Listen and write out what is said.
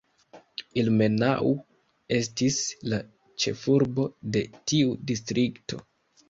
Ilmenau estis la ĉefurbo de tiu distrikto.